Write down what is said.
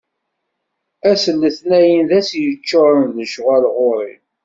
Ass n letnayen d ass yeččuṛen d lecɣal ɣur-i.